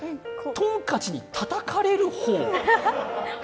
トンカチにたたかれる方？